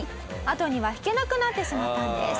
あとには引けなくなってしまったんです。